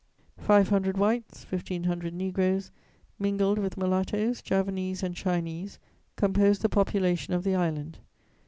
Five hundred whites, fifteen hundred negroes, mingled with mulattoes, Javanese and Chinese, compose the population of the island.